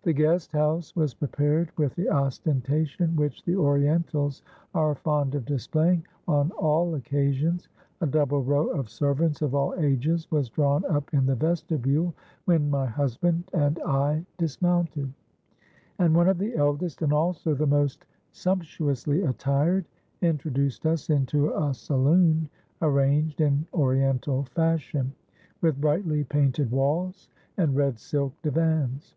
"The guest house was prepared with the ostentation which the Orientals are fond of displaying on all occasions. A double row of servants of all ages was drawn up in the vestibule when my husband and I dismounted; and one of the eldest and also the most sumptuously attired, introduced us into a saloon arranged in Oriental fashion, with brightly painted walls and red silk divans.